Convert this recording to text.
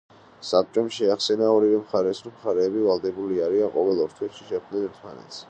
საბჭომ შეახსენა ორივე მხარეს, რომ მხარეები ვალდებული არიან ყოველ ორ თვეში შეხვდნენ ერთმანეთს.